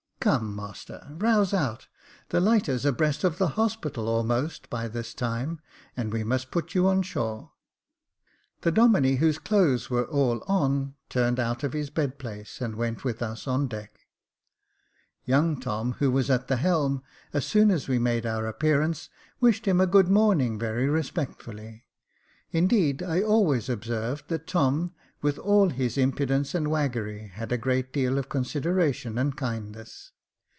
Come, master, rouse out; the lighter's abreast of the Hospital almost by this time, and we must put you on shore." The Domine, whose clothes were all on, turned out of his bed place, and went with us on deck. Young Tom, who was at the helm, as soon as we made our appear ance, wished him a good morning very respectfully. Indeed, I always observed that Tom, with all his im pudence and waggery, had a great deal of consideration and kindness.